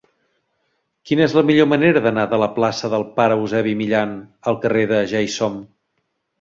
Quina és la millor manera d'anar de la plaça del Pare Eusebi Millan al carrer de Ja-hi-som?